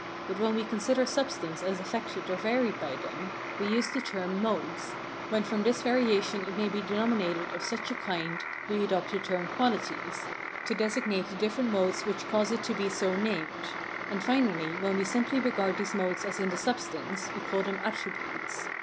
But when we consider substance as affected or varied by them, we use the term modes; when from this variation it may be denominated of such a kind, we adopt the term qualities [to designate the different modes which cause it to be so named]; and, finally, when we simply regard these modes as in the substance, we call them attributes.